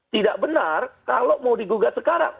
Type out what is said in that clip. jadi tidak benar kalau mau digugat sekarang